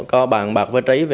có bàn bạc với trái về